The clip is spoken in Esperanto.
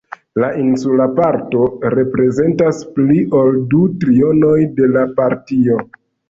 La insula parto reprezentas pli ol du trionoj de la partio.